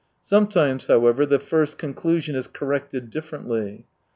Sometimes, however, the first conclusion is corrected differently.